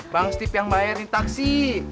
bang step yang bayarin taksi